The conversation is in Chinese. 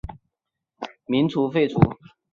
民初废除。